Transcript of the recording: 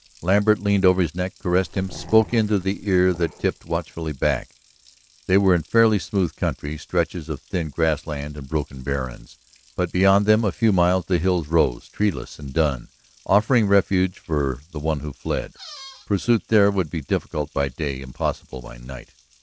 Lambert leaned over his neck, caressed him, spoke into the ear that tipped watchfully back. They were in fairly smooth country, stretches of thin grasslands and broken barrens, but beyond them, a few miles, the hills rose, treeless and dun, offering refuge for the one who fled. Pursuit there would be difficult by day, impossible by night.